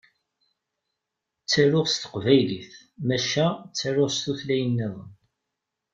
Ttaruɣ s teqbaylit maca ttaruɣ s tutlayin-nniḍen.